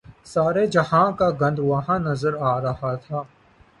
سارے جہان کا گند وہاں نظر آ رہا تھا۔